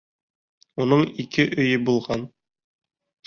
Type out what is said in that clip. Уның ике өйө булған.